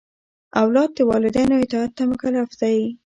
اولاد د والدینو اطاعت ته مکلف دی.